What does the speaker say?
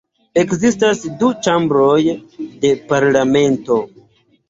Ekzistas du ĉambroj de parlamento.